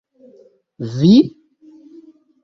Vi?